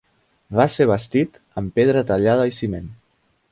Va ser bastit amb pedra tallada i ciment.